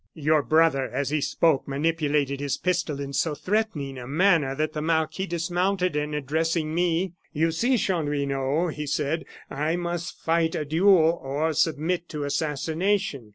"Your brother, as he spoke, manipulated his pistol in so threatening a manner that the marquis dismounted, and addressing me: "'You see, Chanlouineau,' he said, 'I must fight a duel or submit to assassination.